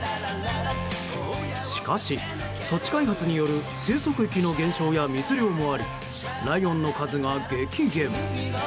しかし、土地開発による生息域の減少や密猟もありライオンの数が激減。